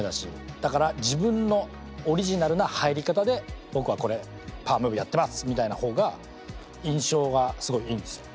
だから自分のオリジナルな入り方で「僕はこれパワームーブやってます」みたいなほうが印象がすごいいいんですよ。